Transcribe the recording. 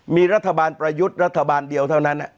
มีรัฐบาลประยุทธ์รัฐบาลเดียวเท่านั้น